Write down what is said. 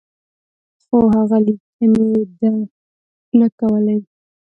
خو هغه لیکني ده نه کولې.